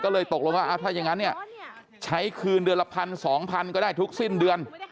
ก็เลยตกลงว่าถ้าอย่างนั้นเนี่ยใช้คืนเดือนละพันสองพันก็ได้ทุกสิ้นเดือน